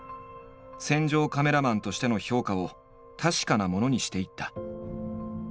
戦場カメラマンとしての評価を確かなものにしていった。